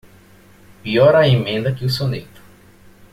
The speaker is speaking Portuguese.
Pior a emenda que o soneto.